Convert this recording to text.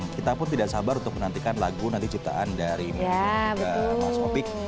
kita pun tidak sabar untuk menantikan lagu nanti ciptaan dari maggie dan juga mas opik